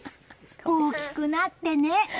大きくなってね！